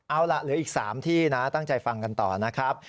เอาล่ะเหลืออีก๓ที่นะตั้งใจฟังกันต่อนะครับ